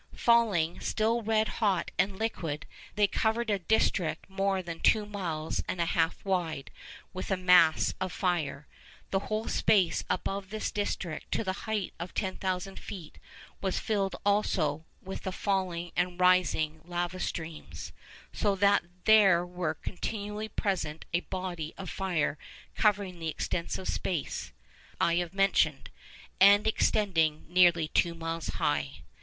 Falling, still red hot and liquid, they covered a district more than two miles and a half wide with a mass of fire. The whole space above this district, to the height of 10,000 feet, was filled also with the falling and rising lava streams; so that there was continually present a body of fire covering the extensive space I have mentioned, and extending nearly two miles high.